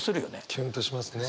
キュンとしますね。